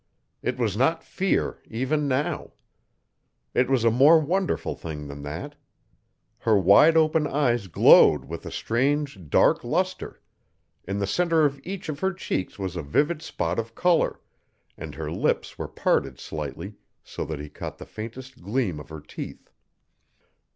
It was not fear, even now. It was a more wonderful thing than that. Her wide open eyes glowed with a strange, dark luster; in the center of each of her cheeks was a vivid spot of color, and her lips were parted slightly, so that he caught the faintest gleam of her teeth.